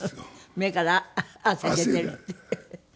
目から汗出ているって。